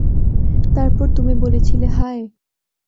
তারপর তুমি বলেছিলে, হায়!